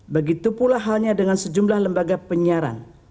begitu pula halnya dengan sejumlah lembaga penyiaran